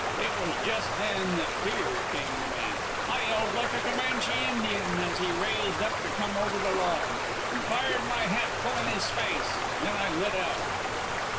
It was jest then that fear came to me. I yelled like a Comanche Indian as he raised up to come over the log, and fired my hat full in his face. Then I lit out.